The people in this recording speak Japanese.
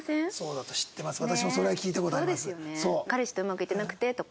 「彼氏とうまくいってなくて」とか。